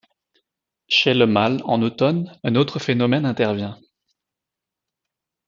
Chez le mâle, en automne, un autre phénomène intervient.